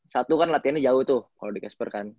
satu kan latihannya jauh tuh kalo di casper kan